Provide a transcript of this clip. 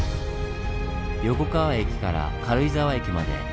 横川駅から軽井沢駅まで標高差